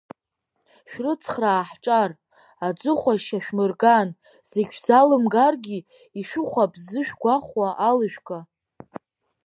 Шәрыцхраа ҳҿар, аӡыхәашь иашәмырган, зегь шәзалымгаргьы ишәыхәап ззышәгәахәуа алыжәга.